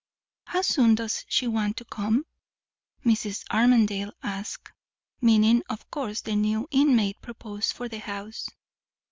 "How soon does she want to come?" Mrs. Armadale asked, meaning of course the new inmate proposed for the house.